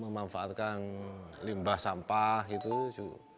memanfaatkan limbah sampah gitu